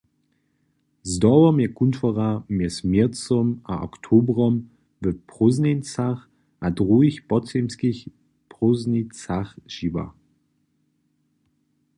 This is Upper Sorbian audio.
Zdobom je kuntwora mjez měrcom a oktobrom w prózdnjeńcach a druhich podzemskich prózdnicach žiwa.